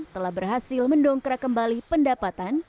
telah berhasil mendongkrak kembali pendapatan